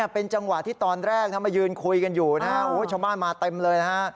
เป็นจังหวะที่ตอนแรกมายืนคุยกันอยู่นะฮะชาวบ้านมาเต็มเลยนะฮะ